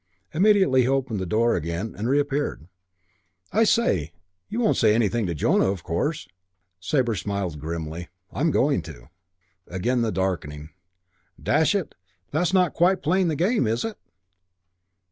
Immediately he opened the door again and reappeared. "I say, you won't say anything to Jonah, of course?" Sabre smiled grimly. "I'm going to." Again the darkening. "Dash it, that's not quite playing the game, is it?"